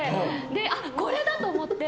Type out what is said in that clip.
ああ、これだ！って思って。